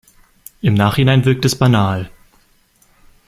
Im Nachhinein wirkt es banal.